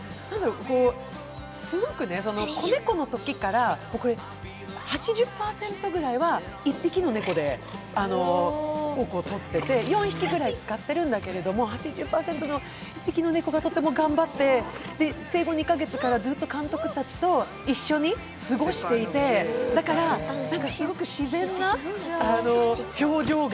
子猫のときから８０％くらいは１匹の猫でほぼ撮ってて４匹ぐらい使っているんだけれども８０％の１匹の猫がとても頑張って、生後２か月から監督たちとずっと一緒に過ごしていて、だからすごく自然な表情が。